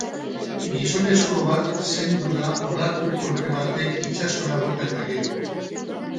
Gizonezko bat zendu da olatu kolpe batek itsasora bota eta gero.